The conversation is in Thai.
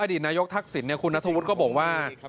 อดีตนายกทักศิลป์เนี่ยคุณนัทธวุฒิก็บอกว่า